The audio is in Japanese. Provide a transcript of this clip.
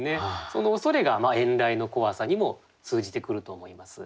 その恐れが遠雷の怖さにも通じてくると思います。